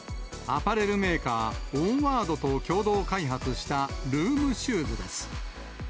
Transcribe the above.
アパレルメーカー、オンワードと共同開発したルームシューズです。